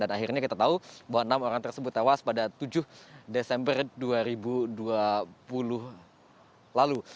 dan akhirnya kita tahu bahwa enam orang tersebut tewas pada tujuh desember dua ribu dua puluh lalu